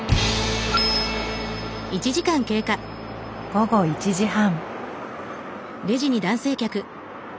午後１時半。